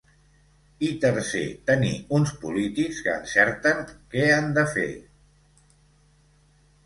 I tercer, tenir uns polítics que encerten què han de fer.